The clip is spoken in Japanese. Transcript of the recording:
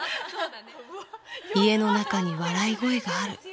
家の中に笑い声がある。